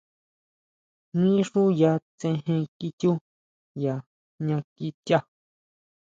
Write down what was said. Mí xú ʼya tsejen ichú ya jña kichá.